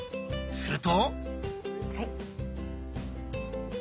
すると。